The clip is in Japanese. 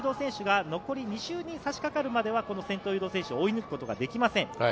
先頭誘導選手が残り２周にさしかかるまでは先頭誘導選手を追い抜くことはできません。